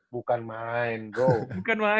bukan main dong bukan main